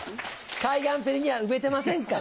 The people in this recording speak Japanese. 海岸ぺりには埋めてませんから。